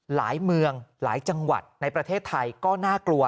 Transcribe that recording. หลายเมืองหลายจังหวัดในประเทศไทยก็น่ากลัว